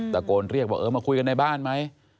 ตะโกนเรียกว่าเออมาคุยกันในบ้านไหม